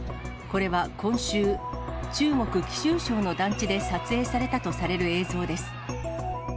これは今週、中国・貴州省の団地で撮影されたとされる映像です。